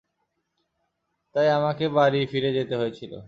তাই আমাকে বাড়ি ফিরে যেতে হয়েছিলো।